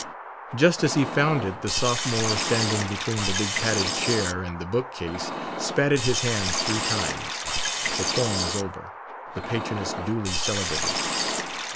Just as he found it the sophomore standing between the big padded chair and the book case spatted his hands three times. The poem was over, the patroness duly celebrated.